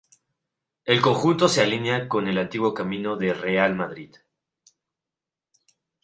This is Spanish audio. El conjunto se alinea con el antiguo Camino de Real de Madrid.